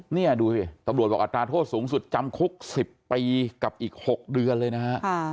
นี่ดูสิตำรวจบอกอัตราโทษสูงสุดจำคุก๑๐ปีกับอีก๖เดือนเลยนะฮะ